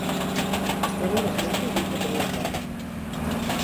Estrabó l'esmenta i diu que tenia port.